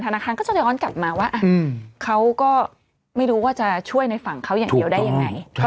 ธนาคารก็จะย้อนกลับมาว่าเขาก็ไม่รู้ว่าจะช่วยในฝั่งเขาอย่างเดียวได้ยังไง